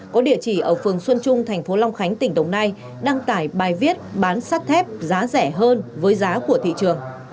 có địa chỉ ở phường xuân trung tp long khánh tỉnh đồng nai đăng tải bài viết bán sát thép giá rẻ hơn với giá của thị trường